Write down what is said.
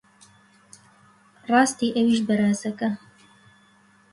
ڕاستی ئەویش بەرازەکە!